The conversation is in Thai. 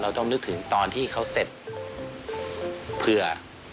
ต้องนึกถึงตอนที่เขาเสร็จเผื่อ